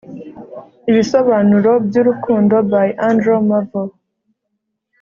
"ibisobanuro by'urukundo" by andrew marvell